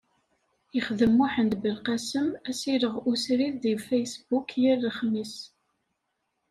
Ixeddem Muḥend Belqasem asileɣ usrid deg Facebook yal lexmis.